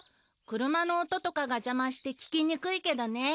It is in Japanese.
車の音とかが邪魔して聞きにくいけどね。